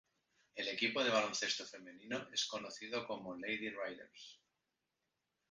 El equipo de baloncesto femenino es conocido como "Lady Raiders".